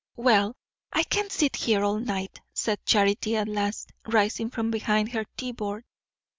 "Well, I can't sit here all night," said Charity at last, rising from behind her tea board.